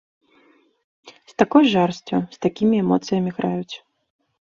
З такой жарсцю, з такімі эмоцыямі граюць.